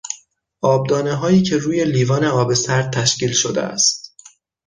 آبدانههایی که روی لیوان آب سرد تشکیل شده است